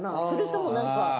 それともなんか。